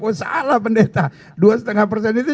wah salah pendeta dua lima itu